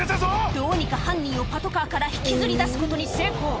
どうにか犯人をパトカーから引きずり出すことに成功